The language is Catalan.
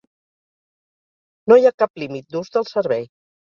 No hi ha cap límit d'ús del servei.